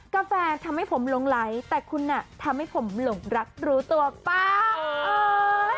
กาแฟทำให้ผมหลงไหลแต่คุณน่ะทำให้ผมหลงรักรู้ตัวป้า